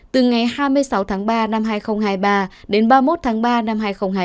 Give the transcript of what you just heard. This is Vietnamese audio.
từ ngày hai mươi sáu tháng ba năm hai nghìn hai mươi ba đến ba mươi một tháng ba năm hai nghìn hai mươi bốn